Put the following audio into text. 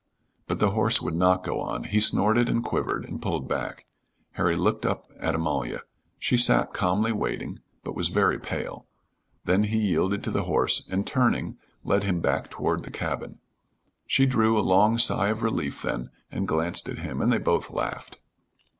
But the horse would not go on. He snorted and quivered and pulled back. Harry looked up at Amalia. She sat calmly waiting, but was very pale. Then he yielded to the horse, and, turning, led him back toward the cabin. She drew a long sigh of relief then, and glanced at him, and they both laughed.